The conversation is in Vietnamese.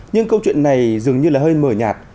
nhưng câu chuyện này dường như là hơi mờ nhạt